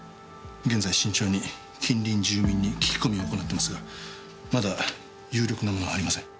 現在慎重に近隣住民に聞き込みを行ってますがまだ有力なものはありません。